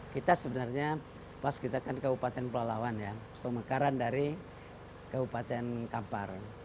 kita sebenarnya pas kita kan kabupaten pelalawan ya pemekaran dari kabupaten kampar